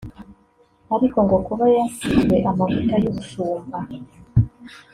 ariko ngo kuba yasizwe amavuta y’ubushumba